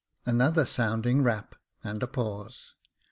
Another sounding rap, and a pause.